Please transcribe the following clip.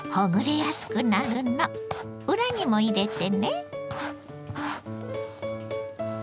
裏にも入れてね。